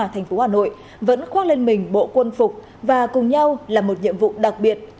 thành phố hà nội vẫn khoác lên mình bộ quân phục và cùng nhau là một nhiệm vụ đặc biệt